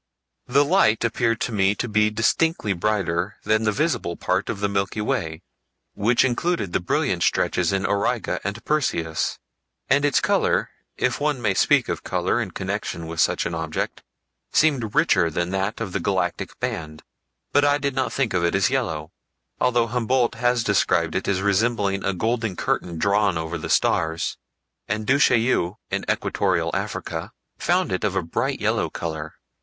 The Light appeared to me to be distinctly brighter than the visible part of the Milky Way which included the brilliant stretches in Auriga and Perseus, and its color, if one may speak of color in connection with such an object, seemed richer than that of the galactic band; but I did not think of it as yellow, although Humboldt has described it as resembling a golden curtain drawn over the stars, and Du Chaillu in Equatorial Africa found it of a bright yellow color.